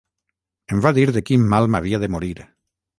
Em va dir de quin mal m'havia de morir!